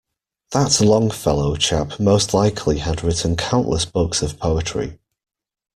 That Longfellow chap most likely had written countless books of poetry.